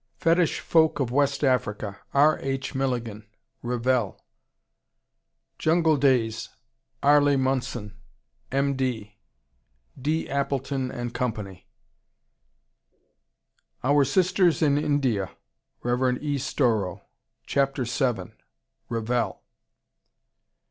Fetish Folk of West Africa, R. H. Milligan Revell. Jungle Days, Arley Munson, M.D. D. Appleton & Co. Our Sisters in India, Rev. E. Storrow, Chapter vii Revell.